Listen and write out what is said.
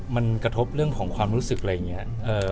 มันกระทบเรื่องของความรู้สึกอะไรอย่างนี้